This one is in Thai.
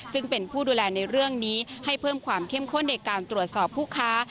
ซึ่งเป็นผู้ดูแลในเรื่องนี้ให้เพิ่มความเข้มข้นในการตรวจสอบผู้ค้า